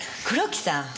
黒木さん！